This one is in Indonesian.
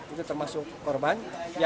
itu termasuk korban